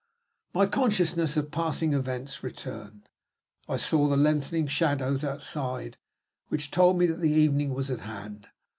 My consciousness of passing events returned. I saw the lengthening shadows outside, which told me that the evening was at hand.